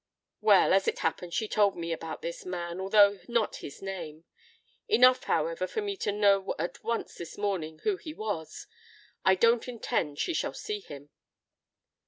"Well, as it happens, she told me about this man, although not his name. Enough, however, for me to know at once this morning who he was. I don't intend she shall see him."